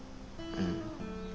うん。